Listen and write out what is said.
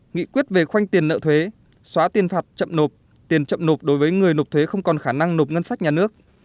nghị quyết về khoanh tiền nợ thuế xóa tiền phạt chậm nộp tiền chậm nộp đối với người nộp thuế không còn khả năng nộp ngân sách nhà nước